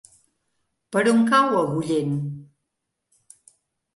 Per on cau Agullent?